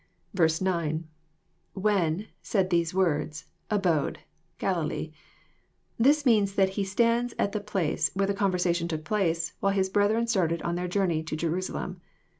9. — [When.„said these words,. .abode.„GaUlee,'i This means, that He staid at the place where this conversation took place, while His brethren started on their Journey to Jerusalem.